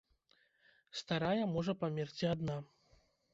Старая можа памерці адна.